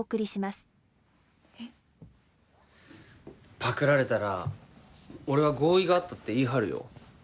パクられたら俺は合意があったって言い張るよ。